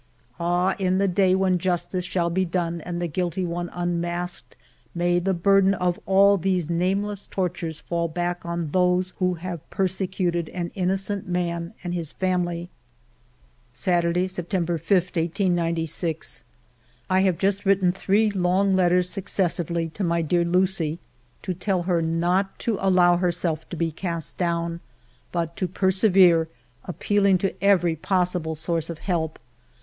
Ah, in the day when justice shall be done and the guilty one unmasked, may the burden of all 110 FIVE YEARS OF MY LIFE these nameless tortures fall back on those who have persecuted an innocent man and his family ! Saturday, September 5, 1896. I have just written three long letters succes sively to my dear Lucie, to tell her not to allow herself to be cast down, but to persevere, appeal ing to every possible source of help.